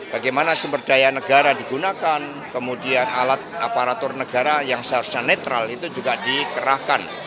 bagaimana sumber daya negara digunakan kemudian alat aparatur negara yang seharusnya netral itu juga dikerahkan